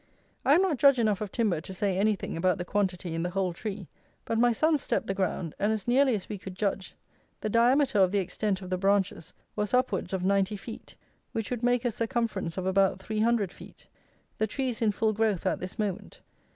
I am not judge enough of timber to say anything about the quantity in the whole tree, but my son stepped the ground, and as nearly as we could judge, the diameter of the extent of the branches was upwards of ninety feet, which would make a circumference of about three hundred feet. The tree is in full growth at this moment.